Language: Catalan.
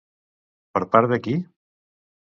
Per part de qui?